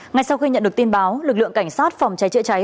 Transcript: ngay sau khi nhận được tin báo lực lượng cảnh sát phòng cháy chữa cháy